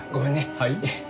はい？